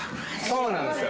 そうなんです。